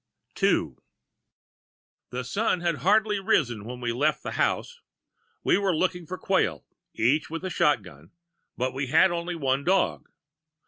II "...The sun had hardly risen when we left the house. We were looking for quail, each with a shotgun, but we had only one dog.